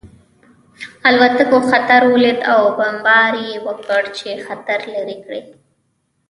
الوتکو خطر ولید او بمبار یې وکړ چې خطر لرې کړي